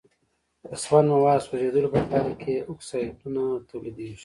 د سون موادو سوځیدلو په پایله کې اکسایدونه تولیدیږي.